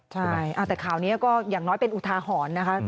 ใช่ไหมแต่ข่าวนี้ก็อย่างน้อยเป็นอุทาหรณ์นะคะ